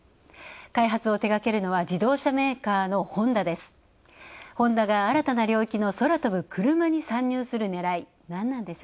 開発を手がけるのは自動車メーカーのホンダです。